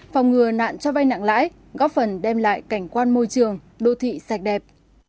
phòng ngừa nạn cho vai nặng lãi góp phần đem lại cảnh quan môi trường đô thị sạch đẹp